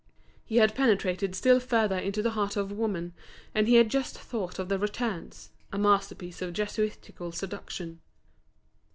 He had penetrated still further into the heart of woman, and had just thought of the "returns," a masterpiece of Jesuitical seduction.